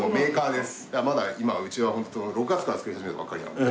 まだ今うちは６月から造り始めたばっかりなので。